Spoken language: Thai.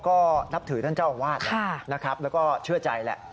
ก็นับถือท่านเจ้าอ่างวาดแล้วก็เชื่อใจแหละ